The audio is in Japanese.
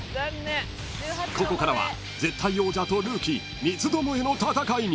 ［ここからは絶対王者とルーキー三つどもえの戦いに］